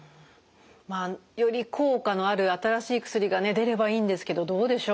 まあより効果のある新しい薬が出ればいいんですけどどうでしょう？